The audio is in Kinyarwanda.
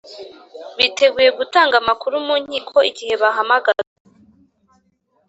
biteguye gutanga amakuru mu nkiko igihe bahamagazwa.